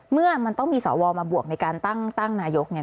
เมื่อมันต้องมีสวมาบวกในการตั้งนายก